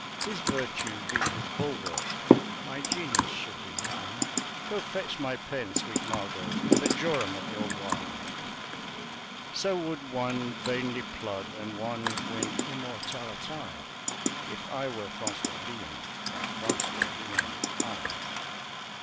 His virtue be his bulwark my genius should be mine! "Go, fetch my pen, sweet Margot, and a jorum of your wine! ....... So would one vainly plod, and one win immortality If I were Francois Villon and Francois Villon I!